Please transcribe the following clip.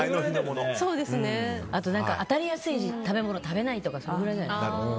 あと、あたりやすい食べ物を食べないとかそれぐらい。